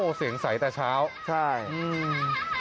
เสียงใสแต่เช้าใช่อืม